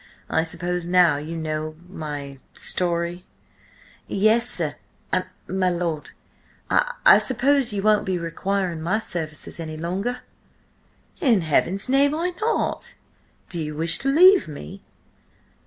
I suppose now, you know my–story?" "Yes, si–my lord. I–I suppose ye won't be requiring my services any longer?" "In heaven's name, why not? Do you wish to leave me?"